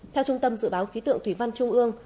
theo trung tâm dự báo khí tượng thủy văn trung ương